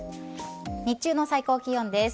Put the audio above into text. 日中の最高気温です。